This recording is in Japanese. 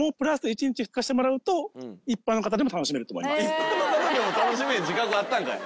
一般の方でも楽しめる自覚あったんかい。